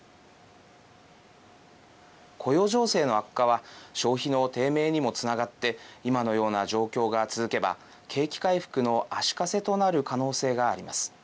雇用情勢の悪化は消費の低迷にもつながって今のような状況が続けば景気回復の足かせとなる可能性があります。